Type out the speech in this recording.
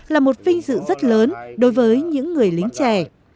là một vinh dự rất lớn đối với những người lính trẻ